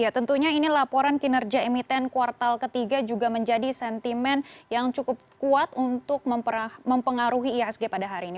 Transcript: tentunya ini laporan kinerja emiten kuartal ketiga juga menjadi sentimen yang cukup kuat untuk mempengaruhi ihsg pada hari ini